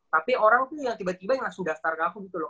tapi orang tuh yang tiba tiba yang langsung daftar ke aku gitu loh